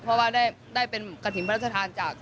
เพราะว่าได้เป็นกระถิ่นพระราชทานจาก